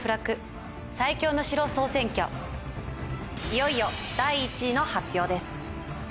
いよいよ、第１位の発表です。